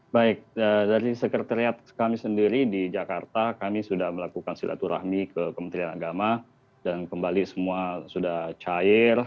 baik dari sekretariat kami sendiri di jakarta kami sudah melakukan silaturahmi ke kementerian agama dan kembali semua sudah cair